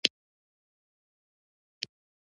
دا ستا په خوښه مې د بلې ښار کې پريښودلې